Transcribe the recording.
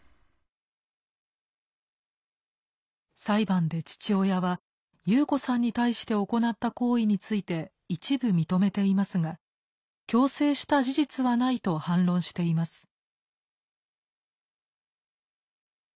裁判で父親はユウコさんに対して行った行為について一部認めていますが「強制した事実はない」と反論しています。